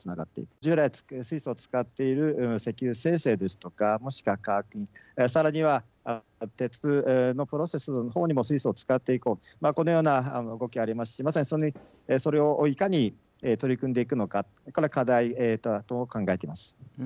従来、水素を使っている石油精製ですとかもしくは化学品さらには鉄のプロセスの方にも水素を使っていこうこのような動きがありますしそれをいかに取り組んでいくのかこれは課題だと考えています。